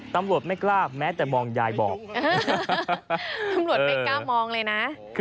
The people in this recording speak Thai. ตำรวจไม่กล้ามองเลยนะ